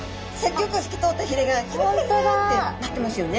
ギョく透き通ったひれがヒラヒラヒラってなってますよね。